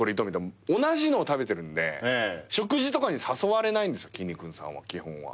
同じのを食べてるんで食事とかに誘われないんですよきんに君さんは基本は。